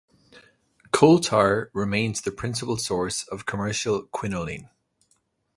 Coal tar remains the principal source of commercial quinoline.